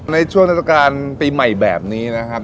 ในช่วงเทศกาลปีใหม่แบบนี้นะครับ